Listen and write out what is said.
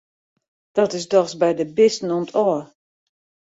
Dat is dochs by de bisten om't ôf!